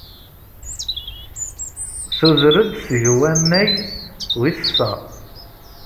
Tuder-d seg wannag wis sa.